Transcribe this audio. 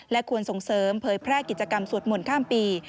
ควรส่งเสริมเผยแพร่กิจกรรมสวดมนต์ข้ามปี